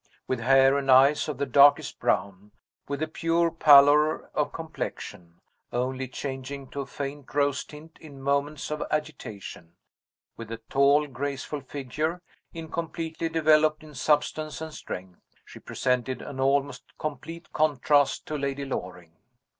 With hair and eyes of the darkest brown; with a pure pallor of complexion, only changing to a faint rose tint in moments of agitation; with a tall graceful figure, incompletely developed in substance and strength she presented an almost complete contrast to Lady Loring.